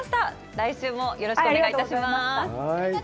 来週もよろしくお願いいたします。